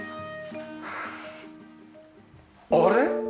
あれ？